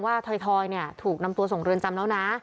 แม่รู้รึยังว่าทอยถูกนำตัวส่งเรือนจำแล้วนะ